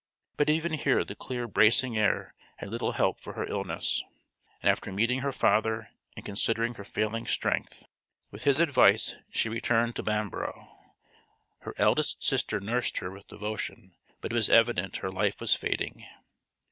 But even here the clear bracing air had little help for her illness, and after meeting her father and considering her failing strength, with his advice she returned to Bamborough. Her eldest sister nursed her with devotion, but it was evident her life was fading.